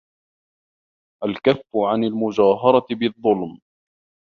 الْكَفُّ عَنْ الْمُجَاهَرَةِ بِالظُّلْمِ